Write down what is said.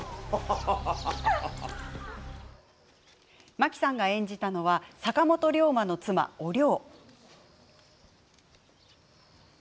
真木さんが演じたのは坂本龍馬の妻、お龍。